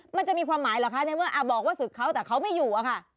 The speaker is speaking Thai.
มันจะมีความหมายเหรอคะในเมื่อบอกว่าศึกเขาแต่เขาไม่อยู่อะค่ะ